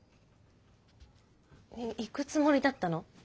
行くつもりだったの？